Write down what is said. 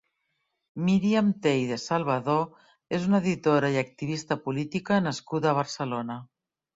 Miriam Tey de Salvador és una editora i activista política nascuda a Barcelona.